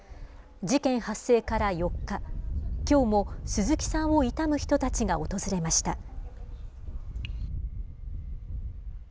事件発生から４日、きょうも鈴木さんを悼む人たちが訪れました。